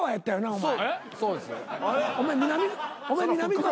お前！